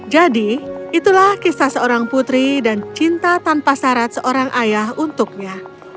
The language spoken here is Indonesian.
jadi itulah kisah seorang putri dan cinta tanpa syarat seorang ayah untuknya